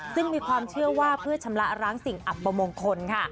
ซึ่งมีความเชื่อว่าเพื่อชำระร้างสิ่งอัปมงคลค่ะ